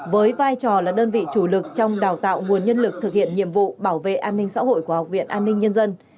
với vai trò là đơn vị chủ lực trong đào tạo nguồn nhân lực thực hiện nhiệm vụ bảo vệ an ninh xã hội của học viện an ninh nhân dân